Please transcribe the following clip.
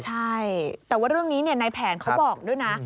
ใช่แต่ว่าร่วมนี้นายแผนเขาบอกด้วยนะ